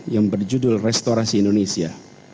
yang berjudul restorasi indonesia